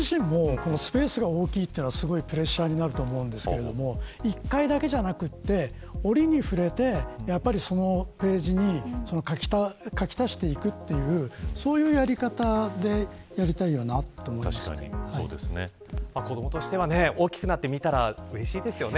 僕自身も、スペースが大きいというのはプレッシャーになると思うんですけれども１回だけじゃなくて折に触れてそのページに書き足していくというそういうやり方で子どもとしては大きくなって見たらうれしいですよね。